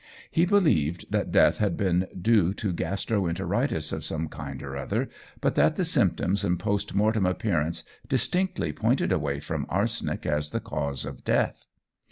He believed that death had been due to gastro enteritis of some kind or other, but that the symptoms and post mortem appearances distinctly pointed away from arsenic as the cause of death.